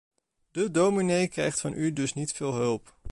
De dominee krijgt van u dus niet veel hulp.